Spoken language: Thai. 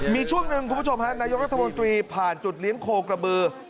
มีช่วงหนึ่งคุณผู้ชมฮะนายกรัฐมนตรีผ่านจุดเลี้ยงโคกระบือ